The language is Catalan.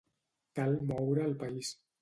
Cal moure el país.